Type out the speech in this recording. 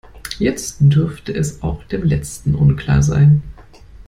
Jetzt dürfte es auch dem Letzten unklar sein.